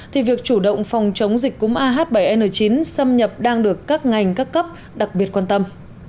thì việc chủ động phòng chống dịch cúng ah bảy n chín xâm nhập đang được các ngành các cấp đặc biệt quan tâm